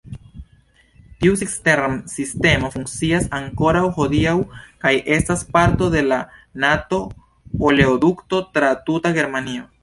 Tiu cistern-sistemo funkcias ankoraŭ hodiaŭ kaj estas parto de la Nato-oleodukto tra tuta Germanio.